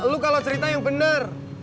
lu kalau cerita yang benar